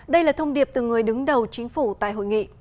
đây là thông điệp từ người đứng đầu chính phủ tại hội nghị